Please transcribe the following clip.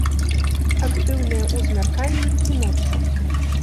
Актыўныя ў змярканні і ноччу.